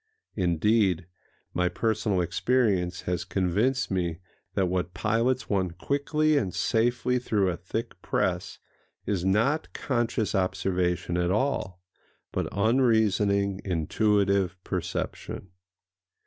Indeed, my personal experience has convinced me that what pilots one quickly and safely through a thick press is not conscious observation at all, but unreasoning, intuitive perception.